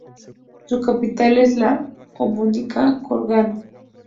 Su capital es la homónima Kurgán.